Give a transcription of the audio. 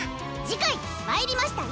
次回「魔入りました！